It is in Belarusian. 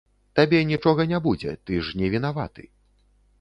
Табе нічога не будзе, ты ж не вінаваты.